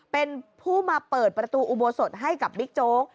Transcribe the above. เป็นผู้มาเปิดประตูอุโบสถให้กับบิ๊กโจ๊ก